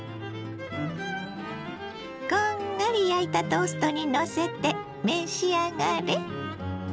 こんがり焼いたトーストにのせて召し上がれ。